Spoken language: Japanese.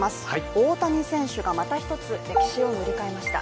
大谷選手がまた一つ歴史を塗り替えました。